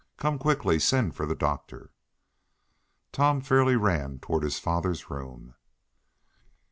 Come quickly! Send for the doctor!" Tom fairly ran toward his father's room.